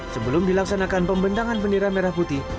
sebelum dilaksanakan pembentangan bendera merah putih